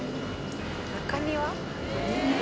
中庭？